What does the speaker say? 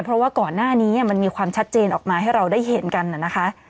เพราะว่าก่อนหน้านี้มันมีความชัดเจนออกมาให้เราได้เห็นกันนะคะ